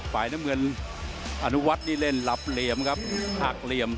ฝ่ายน้ำเงินอนุวัฒน์นี่เล่นหลับเหลี่ยมครับหักเหลี่ยม